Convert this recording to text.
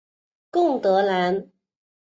贡德兰。